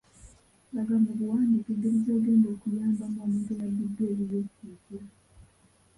Laga mu buwandiike engeri gy'ogenda okuyambamu omuntu eyabbiddwako ebibye ekiro.